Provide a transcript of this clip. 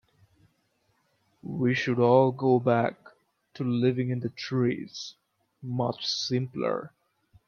We should all go back to living in the trees, much simpler.